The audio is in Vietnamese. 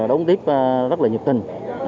đóng tiếp rất là nhập tình